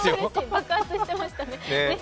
爆発してましたね。